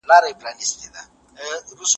دا کتاب د ښځو غږ دی.